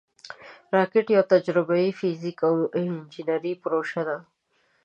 راکټ یوه تجربهاي، فزیکي او انجینري پروژه ده